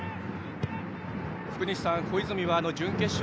福西さん、小泉は準決勝